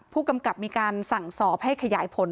ผู้กำกับมีการสั่งสอบให้ขยายผล